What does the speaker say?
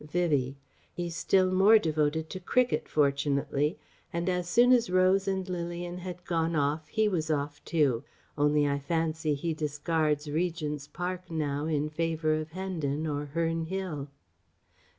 Vivie: "He's still more devoted to cricket, fortunately; and as soon as Rose and Lilian had gone he was off too.... Only, I fancy, he discards Regent's Park now in favour of Hendon or Herne Hill..."